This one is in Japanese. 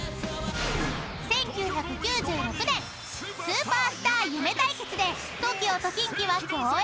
［１９９６年スーパースター夢対決でＴＯＫＩＯとキンキは共演］